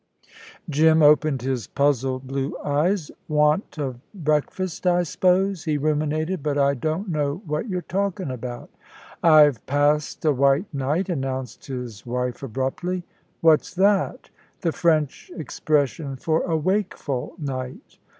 Jim opened his puzzled blue eyes. "Want of breakfast, I s'pose," he ruminated, "but I don't know what you're talkin' about." "I've passed a white night," announced his wife, abruptly. "What's that?" "The French expression for a wakeful night."